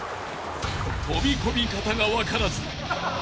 ［飛び込み方が分からず］